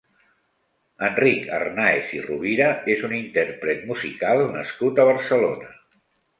Enric Hernàez i Rovira és un intérpret musical nascut a Barcelona.